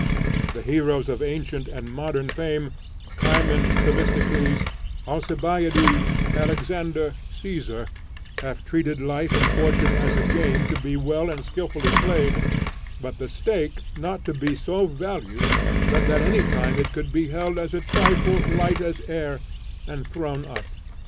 The heroes of ancient and modern fame, Cimon, Themistocles, Alcibiades, Alexander, Caesar, have treated life and fortune as a game to be well and skilfully played, but the stake not to be so valued but that any time it could be held as a trifle light as air, and thrown up.